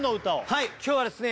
はい今日はですね